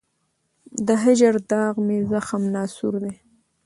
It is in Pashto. د هجر داغ مي زخم ناصور دی